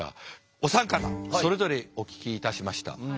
お三方それぞれお聞きいたしました。